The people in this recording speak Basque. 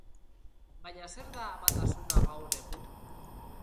Baina zer da amatasuna gaur egun?